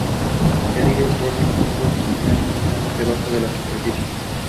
The selection was curated and introduced by Gregory Nava.